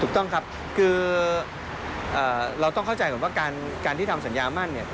ถูกต้องครับคือเราต้องเข้าใจก่อนว่าการที่ทำสัญญามั่นเนี่ย